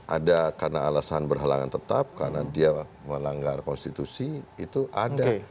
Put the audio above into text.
ada karena alasan berhalangan tetap karena dia melanggar konstitusi itu ada